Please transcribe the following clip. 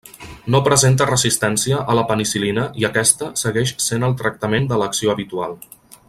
No presenta resistència a la penicil·lina i aquesta segueix sent el tractament d'elecció habitual.